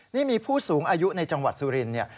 นี่มีผู้สูงอายุในจังหวัดสุรินทร์เนี่ย